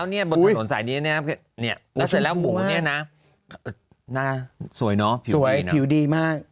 น่าสวยเนาะผิวดีมาก